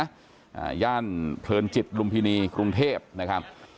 อ่าย่านเพลินจิตลุมพินีกรุงเทพนะครับ